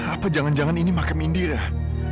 apa jangan jangan ini makam hindirah